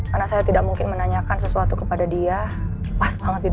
karena saya tidak mungkin menanyakan sesuatu kepada dia pas banget di depan